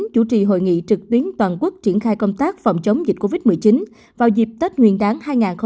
chủ trì hội nghị trực tuyến toàn quốc triển khai công tác phòng chống dịch covid một mươi chín vào dịp tết nguyên đáng hai nghìn hai mươi